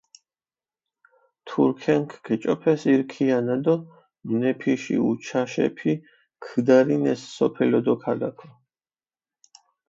თურქენქ გეჭოფეს ირ ქიანა დო მუნეფიში უჩაშეფი ქჷდარინეს სოფელო დო ქალაქო.